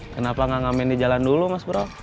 kenaplah gak ngamen di jalan dulu mas bro